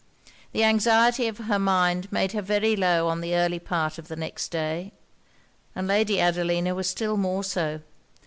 The anxiety of her mind made her very low on the early part of the next day; and Lady Adelina was still more so.